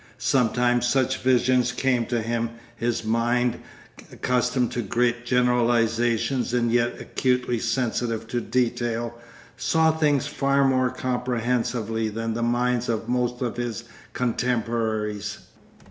Sometimes such visions came to him; his mind, accustomed to great generalisations and yet acutely sensitive to detail, saw things far more comprehensively than the minds of most of his contemporaries.